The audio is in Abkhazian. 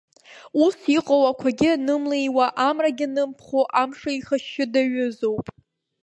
Ус иҟоу ақәагьы анымлеиуа, амрагьы анымыԥхо амш еихашьшьы даҩызоуп.